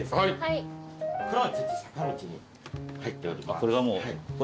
これがもう。